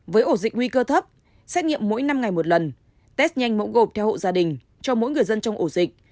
với ổ dịch nguy cơ thấp xét nghiệm mỗi năm ngày một lần test nhanh mẫu gộp theo hộ gia đình cho mỗi người dân trong ổ dịch